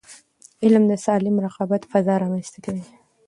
علم د سالم رقابت فضا رامنځته کوي.